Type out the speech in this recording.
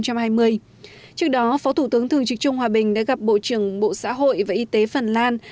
trước đó phó thủ tướng thường trực trung hòa bình đã gặp bộ trưởng bộ xã hội và y tế phần lan